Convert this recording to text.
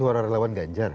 suara relawan ganjar